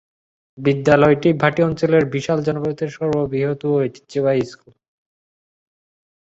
বিদ্যালয়টি ভাটি অঞ্চলের বিশাল জনপদের সর্ব বৃহৎ ও ঐতিহ্যবাহী স্কুল।